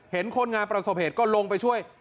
คนงานประสบเหตุก็ลงไปช่วย